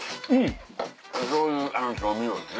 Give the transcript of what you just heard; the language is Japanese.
そういう調味料ですね。